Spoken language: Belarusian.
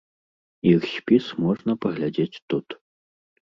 Іх спіс можна паглядзець тут.